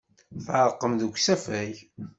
Tɛerqem deg usafag.